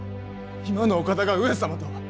今のお方が上様とは！